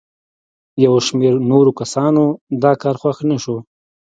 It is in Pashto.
یو شمېر نورو کسانو دا کار خوښ نه شو.